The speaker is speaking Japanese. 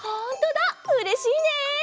うれしいね！